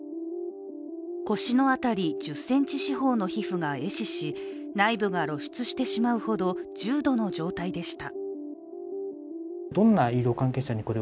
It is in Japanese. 腰の辺り１０ｃｍ四方の皮膚がえ死し内部が露出してしまうほど重度の状態でした。